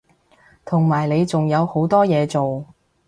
同埋你仲有好多嘢做